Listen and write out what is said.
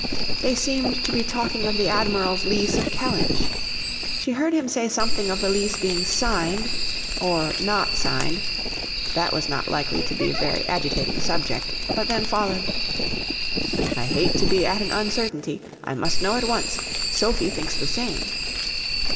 They seemed to be talking of the Admiral's lease of Kellynch. She heard him say something of the lease being signed or not signed that was not likely to be a very agitating subject, but then followed 'I hate to be at an uncertainty. I must know at once. Sophy thinks the same.'